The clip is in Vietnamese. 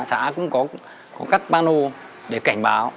xã cũng có cắt bano